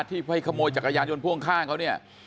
ที่ไปขโมยจักรยานยนต์พ่วงข้างเขาเนี่ย